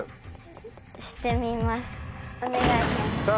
お願いします。